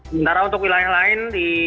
sementara untuk wilayah lain